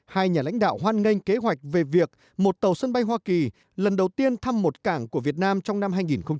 hai nhà lãnh đạo hoan nghênh kế hoạch về việc một tàu sân bay hoa kỳ lần đầu tiên thăm một cảng của việt nam trong năm hai nghìn hai mươi